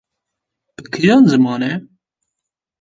bi kîjan zimanê?